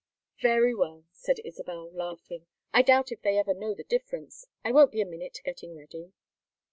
"Very well," said Isabel, laughing. "I doubt if they ever know the difference. I won't be a minute getting ready."